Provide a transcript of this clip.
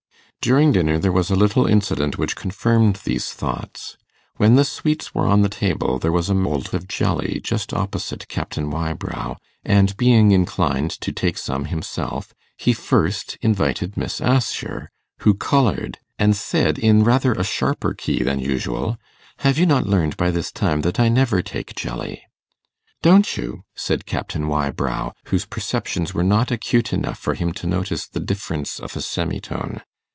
During dinner there was a little incident which confirmed these thoughts. When the sweets were on the table, there was a mould of jelly just opposite Captain Wybrow, and being inclined to take some himself, he first invited Miss Assher, who coloured, and said, in rather a sharper key than usual, 'Have you not learned by this time that I never take jelly?' 'Don't you?' said Captain Wybrow, whose perceptions were not acute enough for him to notice the difference of a semitone.